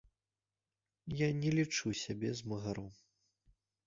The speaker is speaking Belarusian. Я не лічу сябе змагаром.